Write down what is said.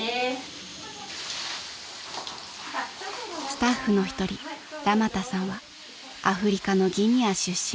［スタッフの一人ラマタさんはアフリカのギニア出身］